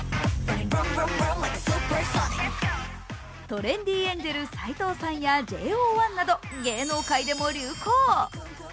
トレンディエンジェル斎藤さんやＪＯ１など芸能界でも流行。